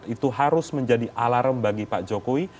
itu harus menjadi alarm bagi pak jokowi